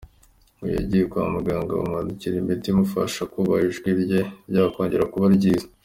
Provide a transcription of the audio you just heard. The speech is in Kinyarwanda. Ngo yagiye kwa muganga bamwandikira imiti imufasha kuba ijwi rye ryakongera kuba ryiza.